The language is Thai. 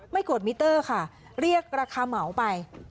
กดมิเตอร์ค่ะเรียกราคาเหมาไป